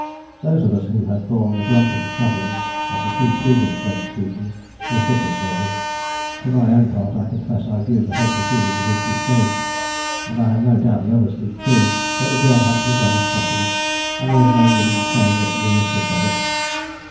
Those of us who had borne the brunt of the travelling of the two previous sledge seasons were sick of sledging. For my own part I confess I viewed the whole proceedings with distaste, and I have no doubt the others did too; but the job had to be done if possible, and there was no good in saying we were sick of it.